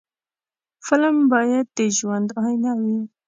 فلم باید د ژوند آیینه وي